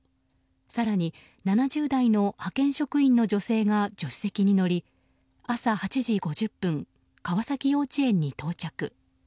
更に、７０代の派遣職員の女性が助手席に乗り朝８時５０分川崎幼稚園に到着。